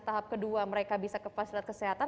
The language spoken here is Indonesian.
tahap kedua mereka bisa ke fasilitas kesehatan